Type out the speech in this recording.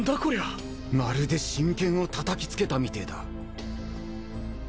まるで真剣をたたきつけたみてえだ。